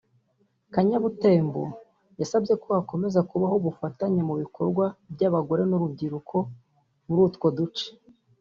Kanyabutembo yasabye ko hakomeza kubaho ubufatanye mu bikorwa by’abagore n’urubyiruko muri utwo duce